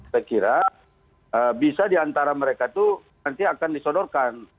saya kira bisa diantara mereka itu nanti akan disodorkan